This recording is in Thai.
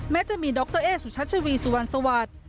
แม้จะมีดรเอ๊สุชัชวีสุวรรณสวัสดิ์